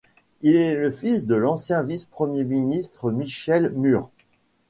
Il est le fils de l’ancien vice-premier ministre Michel Murr.